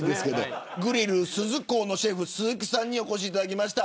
ぐりるスズコウのシェフ鈴木さんにお越しいただきました。